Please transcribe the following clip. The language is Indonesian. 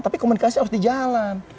tapi komunikasi harus di jalan